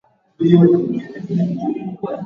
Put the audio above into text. Jeshi la jamhuri ya kidemokrasia ya Kongo